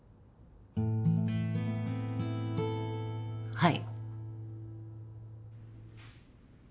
はい。